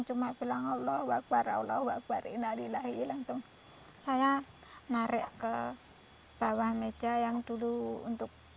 cuma bilang allah waqar allah waqar inna lillahi langsung saya narik ke bawah meja yang dulu untuk